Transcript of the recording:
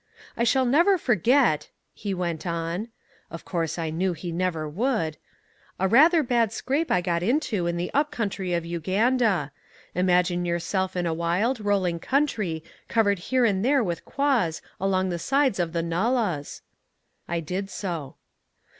" I shall never forget," he went on (of course, I knew he never would), "a rather bad scrape I got into in the up country of Uganda. Imagine yourself in a wild, rolling country covered here and there with kwas along the sides of the nullahs." I did so.